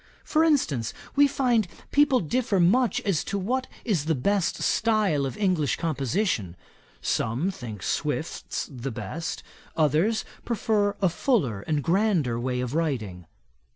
For instance, we find people differ much as to what is the best style of English composition. Some think Swift's the best; others prefer a fuller and grander way of writing.'